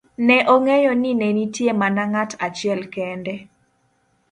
ne ong'eyo ni ne nitie mana ng'at achiel kende